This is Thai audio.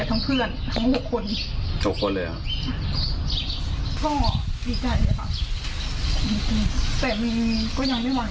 ทั้งเพื่อนทั้ง๖คนทุกคนเลยอ่ะพ่อดีใจแต่ก็ยังไม่หวัง